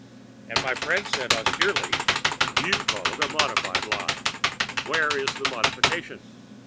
My friend said, austerely: 'You call it a modified lie? Where is the modification?'